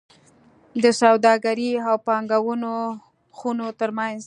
د سوداګرۍ او پانګونو خونو ترمنځ